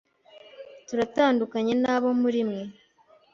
Turatandukanye nabo muri bimwe.